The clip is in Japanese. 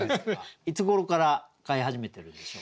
いつごろから飼い始めてるんでしょうか？